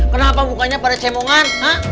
kenapa bukannya pada cemungan